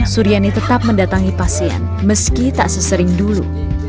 suriani tetap mendatangi pasien meski tak sesering dulu